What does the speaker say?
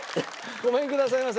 ごめんくださいませ。